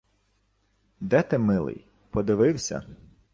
Де ти, милий? Подивися —